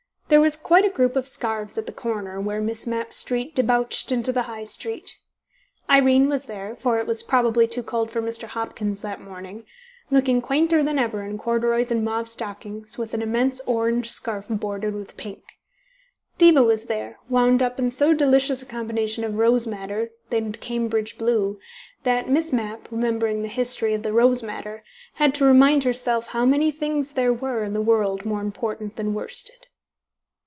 There was quite a group of scarves at the corner, where Miss Mapp's street debouched into the High Street: Irene was there (for it was probably too cold for Mr. Hopkins that morning), looking quainter than ever in corduroys and mauve stockings with an immense orange scarf bordered with pink. Diva was there, wound up in so delicious a combination of rose madder and Cambridge blue, that Miss Mapp, remembering the history of the rose madder, had to remind herself how many things there were in the world more important than worsted.